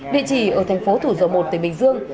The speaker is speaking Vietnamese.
địa chỉ ở thành phố thủ dầu một tỉnh bình dương